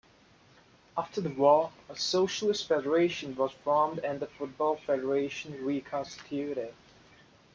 After the war, a socialist federation was formed and the football federation reconstituted.